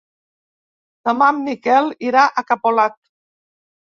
Demà en Miquel irà a Capolat.